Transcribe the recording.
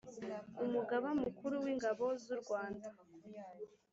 Umugaba Mukuru w Ingabo z u Rwanda